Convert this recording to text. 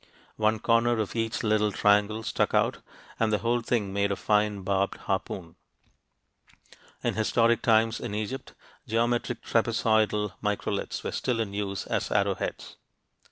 One corner of each little triangle stuck out, and the whole thing made a fine barbed harpoon. In historic times in Egypt, geometric trapezoidal microliths were still in use as arrowheads.